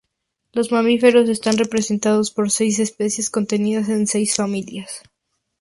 Los mamíferos están representados por seis especies contenidas en seis familias.